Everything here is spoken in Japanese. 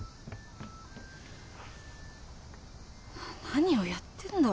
何をやってんだ